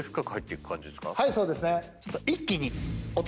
はいそうですね。